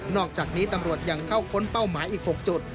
อกจากนี้ตำรวจยังเข้าค้นเป้าหมายอีก๖จุด